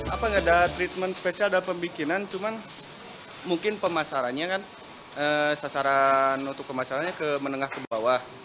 apa nggak ada treatment spesial dalam pembikinan cuman mungkin pemasarannya kan sasaran untuk pemasarannya ke menengah ke bawah